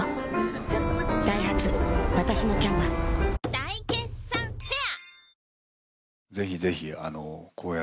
大決算フェア